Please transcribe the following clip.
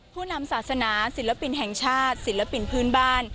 ผู้นำศาสนาศิลปินแห่งชาติศิลปินพื้นบ้าน